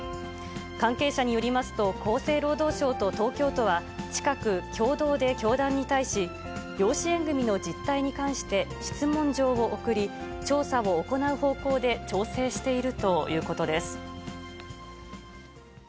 関係者によりますと、厚生労働省と東京都は、近く、共同で教団に対し、養子縁組の実態に関して、質問状を送り、調査を行う方向で調整しているということです。